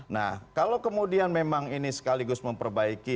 nah kalau kemudian ini memang sekaligus memperbaiki